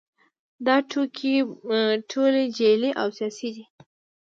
دا ټوکې ټولې جعلي او سیاسي دي